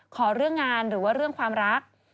ขอเรื่องงานหรือว่าเรื่องความรัก